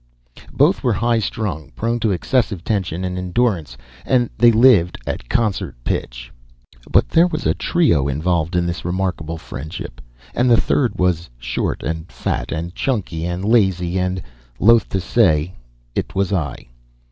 Both were high strung, prone to excessive tension and endurance, and they lived at concert pitch. But there was a trio involved in this remarkable friendship, and the third was short, and fat, and chunky, and lazy, and, loath to say, it was I.